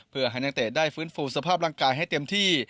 เพื่อให้นักเตะได้ฟื้นฟูสภาพร่างกายให้เต็มที่